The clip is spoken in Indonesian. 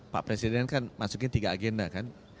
pak presiden kan masukin tiga agenda kan